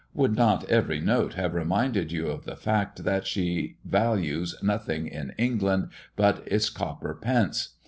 Would not every note have reminded you of the fact, that she values nothing in England but its copper pence.